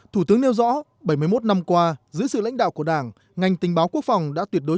thủ tướng nêu rõ bảy mươi một năm qua dưới sự lãnh đạo của đảng ngành tình báo quốc phòng đã tuyệt đối